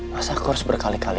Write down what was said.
rasa aku harus berkali kali